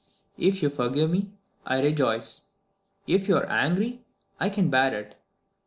If you forgive me, I rejoice; if you are angry, I can bear it.